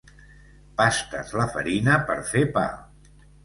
Pastes la farina per fer pa.